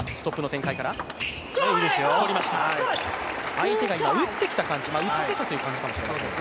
相手が今、打ってきた感じ、打たせたという感じかもしれません。